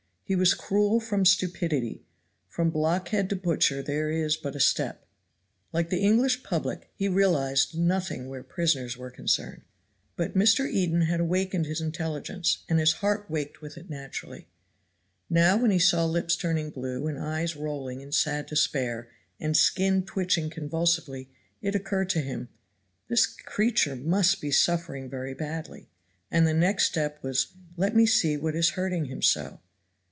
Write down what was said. He was cruel from stupidity from blockhead to butcher there is but a step. Like the English public he realized nothing where prisoners were concerned. But Mr. Eden had awakened his intelligence, and his heart waked with it naturally. Now when he saw lips turning blue and eyes rolling in sad despair, and skin twitching convulsively, it occurred to him "this creature must be suffering very badly," and the next step was "let me see what is hurting him so."